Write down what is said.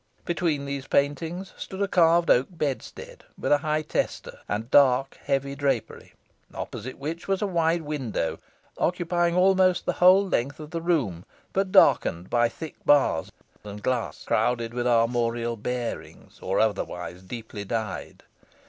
Between these paintings stood a carved oak bedstead, with a high tester and dark heavy drapery, opposite which was a wide window, occupying almost the whole length of the room, but darkened by thick bars and glass, crowded with armorial bearings, or otherwise deeply dyed.